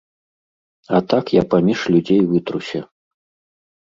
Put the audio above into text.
А так я паміж людзей вытруся.